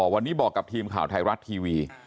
วันนี้บอกกับทีมข่าวไทยรัฐทีวี